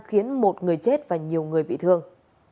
khiến một người chết và nhiều người bị thương